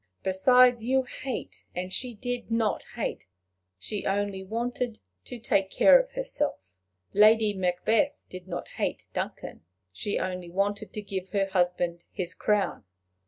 Besides, you hate, and she did not hate; she only wanted to take care of herself. Lady Macbeth did not hate Duncan; she only wanted to give her husband his crown.